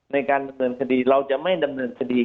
ในการดำเนินคดีเราจะไม่ดำเนินคดี